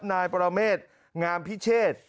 นายปรเมษงามพิเชษ